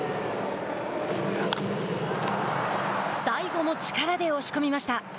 最後も力で押し込みました。